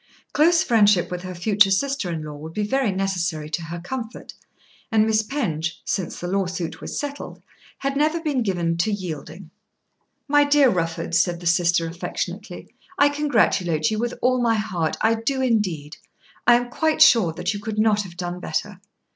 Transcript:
Close friendship with her future sister in law would be very necessary to her comfort, and Miss Penge, since the law suit was settled, had never been given to yielding. "My dear Rufford," said the sister affectionately, "I congratulate you with all my heart; I do indeed. I am quite sure that you could not have done better."